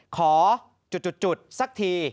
ขอจุดสักที